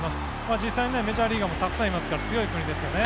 実際、メジャーリーガーもたくさんいますから強い国ですね。